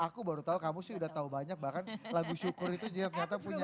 aku baru tahu kamu sih udah tahu banyak bahkan lagu syukur itu juga ternyata punya